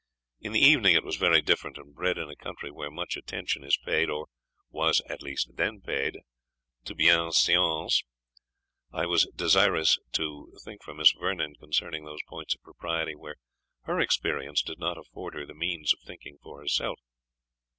In the evening it was very different and bred in a country where much attention is paid, or was at least then paid, to biense'ance, I was desirous to think for Miss Vernon concerning those points of propriety where her experience did not afford her the means of thinking for herself.